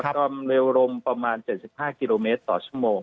ความเร็วลมประมาณ๗๕กิโลเมตรต่อชั่วโมง